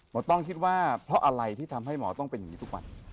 ต้องคิดว่าเพราะอะไรที่ทำให้หมอต้องเป็นอย่างนี้ทุกวัน